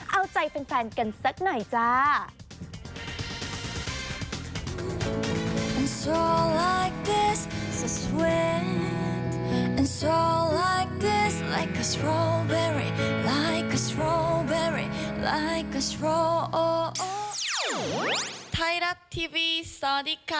เอาใจแฟนกันสักหน่อยจ้า